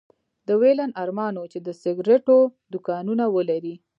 د ويلين ارمان و چې د سګرېټو دوکانونه ولري